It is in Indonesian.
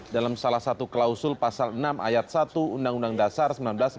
dalam salah satu klausul pasal enam ayat satu undang undang dasar seribu sembilan ratus empat puluh